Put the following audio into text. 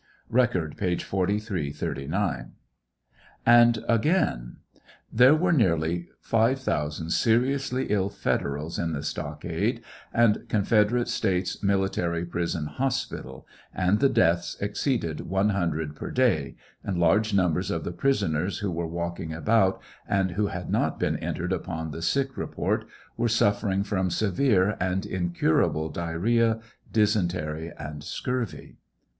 (Record, p. 4339.) And again : There were nearly 5,000 seriously ill federals in the stockade, and Confederate States mili tary prison hospital, and the deaths exceeded 100 per day, and large numbers of the prisoners who were walking about and who had not been entered upon the sick report, were suffering fi'om severe and incurable diarrhoea, dysentery and scurvy.